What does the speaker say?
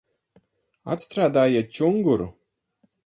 Atstrādājiet čunguru!